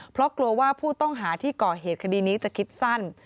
เพราะกลัวว่าผู้ต้องหาที่ก่อเหตุคดีนี้จะคิดสั้น